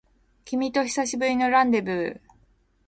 君と久しぶりのランデブー